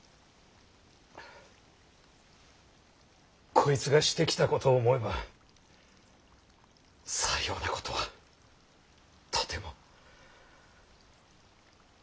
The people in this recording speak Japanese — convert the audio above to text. こいつがしてきたことを思えばさようなことはとても。